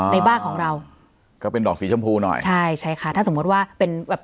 ในบ้านของเราก็เป็นดอกสีชมพูหน่อยใช่ใช่ค่ะถ้าสมมุติว่าเป็นแบบ